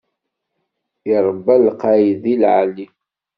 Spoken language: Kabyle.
I iṛebba lqayed di leɛli.